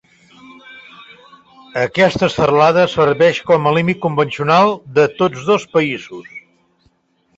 Aquesta serralada serveix com a límit convencional de tots dos països.